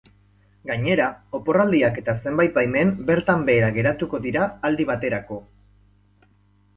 Gainera, oporraldiak eta zenbait baimen bertan behera geratuko dira aldi baterako.